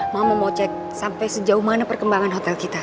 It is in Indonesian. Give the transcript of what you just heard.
mama mau cek sampai sejauh mana perkembangan hotel kita